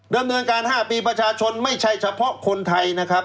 ดำเนินการ๕ปีประชาชนไม่ใช่เฉพาะคนไทยนะครับ